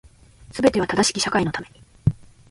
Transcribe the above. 全ては正しき社会のために